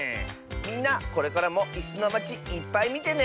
みんなこれからも「いすのまち」いっぱいみてね！